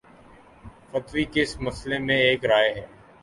فتوی کس مسئلے میں ایک رائے ہے۔